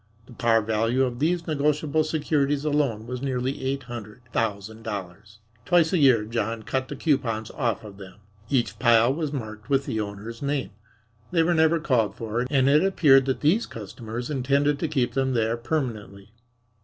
The par value of these negotiable securities alone was nearly eight hundred thousand dollars. Twice a year John cut the coupons off of them. Each pile was marked with the owner's name. They were never called for, and it appeared that these customers intended to keep them there permanently.